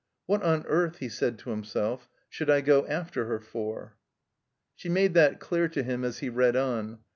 "What on earth," he said to himself, ''should I go after her for?" She made that dear to him as he read on.